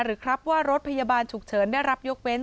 ครับว่ารถพยาบาลฉุกเฉินได้รับยกเว้น